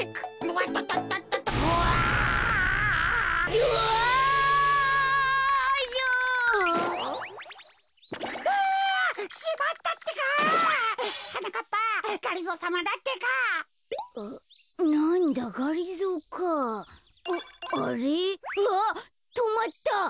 わっとまった。